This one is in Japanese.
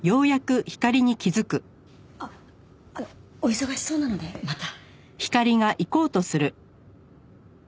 あっお忙しそうなのでまた。